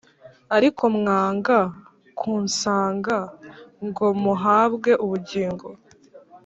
. Ariko mwanga kunsanga ngo muhabwe ubugingo.